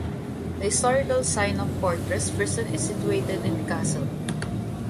The historical Sinop Fortress Prison is situated in the castle.